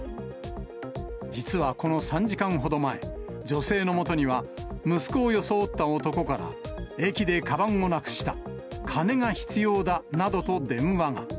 実はこの３時間ほど前、女性のもとには、息子を装った男から、駅でかばんをなくした、金が必要だなどと電話が。